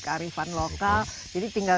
kearifan lokal jadi tinggal